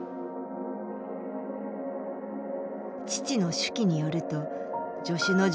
父の手記によると助手の女